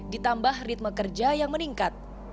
ditambah ritme kerja yang meningkat